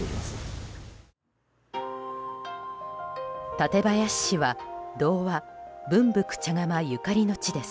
館林市は童話「分福茶釜」ゆかりの地です。